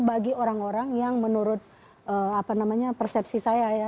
bagi orang orang yang menurut persepsi saya ya